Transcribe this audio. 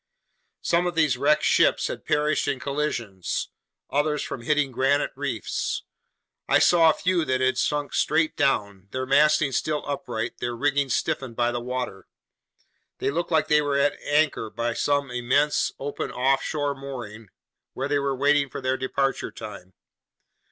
Some of these wrecked ships had perished in collisions, others from hitting granite reefs. I saw a few that had sunk straight down, their masting still upright, their rigging stiffened by the water. They looked like they were at anchor by some immense, open, offshore mooring where they were waiting for their departure time.